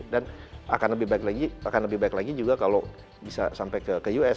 dan akan lebih baik lagi juga kalau bisa sampai ke us